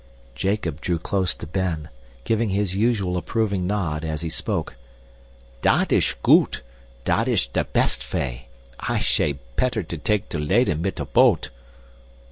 Jacob drew close to Ben, giving his usual approving nod, as he spoke. "Dat ish goot. Dat ish te pest vay. I shay petter to take to Leyden mit a poat!"